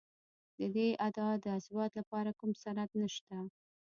د دې ادعا د اثبات لپاره کوم سند نشته